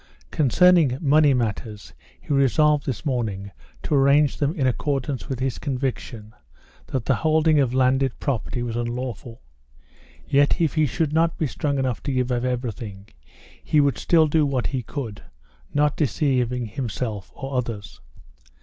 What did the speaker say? Concerning money matters he resolved this morning to arrange them in accord with his conviction, that the holding of landed property was unlawful. Even if he should not be strong enough to give up everything, he would still do what he could, not deceiving himself or others.